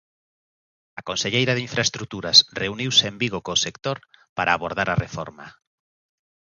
A conselleira de Infraestruturas reuniuse en Vigo co sector para abordar a reforma.